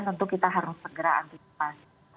tentu kita harus segera antisipasi